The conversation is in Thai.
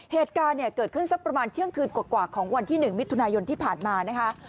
เหตุการณ์เนี่ยเกิดขึ้นสักประมาณเที่ยงคืนกว่าของวันที่๑มิถุนายนที่ผ่านมานะคะ